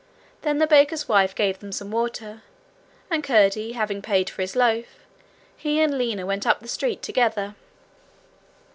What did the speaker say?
Then the baker's wife gave them some water, and Curdie having paid for his loaf, he and Lina went up the street together.